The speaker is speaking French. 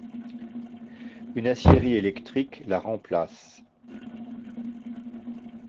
Une aciérie électrique la remplace.